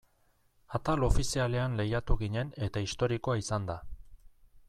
Atal ofizialean lehiatu ginen eta historikoa izan da.